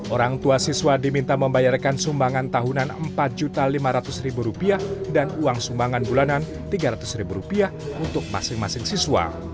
orang tua siswa diminta membayarkan sumbangan tahunan rp empat lima ratus dan uang sumbangan bulanan rp tiga ratus untuk masing masing siswa